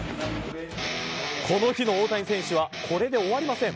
この日の大谷選手はこれで終わりません。